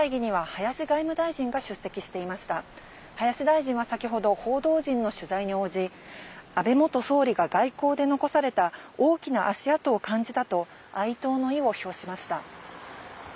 林大臣は先ほど報道陣の取材に応じ、安倍元総理が外交で残された大きな足跡を感じたと、哀悼の意を表しました。